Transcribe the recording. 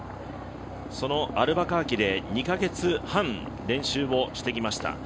アルバカーキで２カ月半練習をしてきました。